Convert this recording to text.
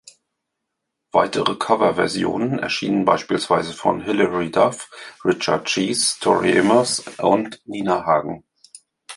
Weitere Coverversionen erschienen beispielsweise von Hilary Duff, Richard Cheese, Tori Amos und Nina Hagen.